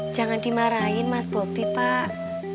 jangan dimarahin mas bobi pak